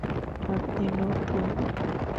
আপনি নতুন।